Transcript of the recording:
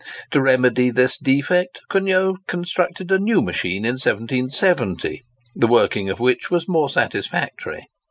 To remedy this defect, Cugnot constructed a new machine in 1770, the working of which was more satisfactory.